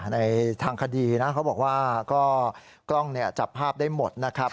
ในทางคดีนะเขาบอกว่าก็กล้องจับภาพได้หมดนะครับ